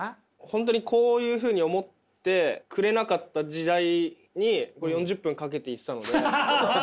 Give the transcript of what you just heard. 本当にこういうふうに思ってくれなかった時代に４０分かけて行ってたので。